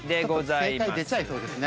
ちょっと正解出ちゃいそうですね